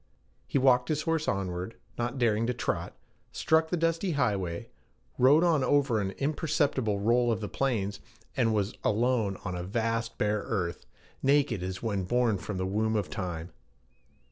He walked his horse onward, not daring to trot, struck the dusty highway, rode on over an imperceptible roll of the plains, and was alone on a vast bare earth, naked as when born from the womb of time.